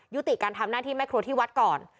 ยุติการทำหน้าที่แม่ครัวที่วัดก่อน